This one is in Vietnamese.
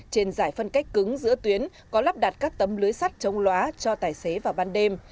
trên giải phân cách cứng giữa tuyến có lắp đặt các tấm lưới sắt chống loá cho tài xế vào ban đêm